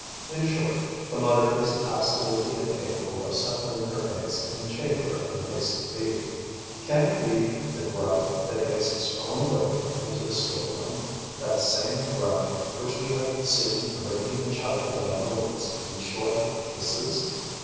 In short, the mother is absolutely incapable of settling her eggs in the chamber of the Mason bee. Can it be the grub that makes its own way into the storeroom, that same grub which we have seen draining the Chalicodoma with its leech like kisses?